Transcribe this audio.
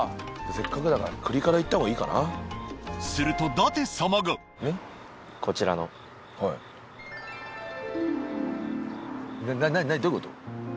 せっかくだから栗からいったほうがいいかなすると舘様がこちらのどういうこと？